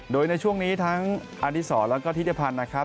โดยในช่วงนี้ทั้งอธิษฐศาสตร์และทฤษฐภัณฑ์นะครับ